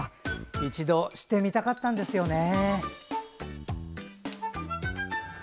一度、してみたかったんですよね。